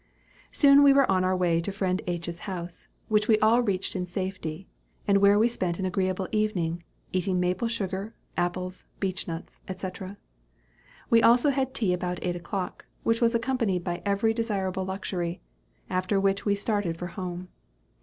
Soon we were on our way to friend H.'s house, which we all reached in safety; and where we spent an agreeable evening, eating maple sugar, apples, beech nuts, &c. We also had tea about eight o'clock, which was accompanied by every desirable luxury after which we started for home.